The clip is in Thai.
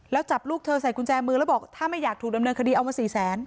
แล้วจับลูกเธอใส่กุญแจมือแล้วบอกถ้าไม่อยากถูกดำเนินคดีเอามาสี่แสน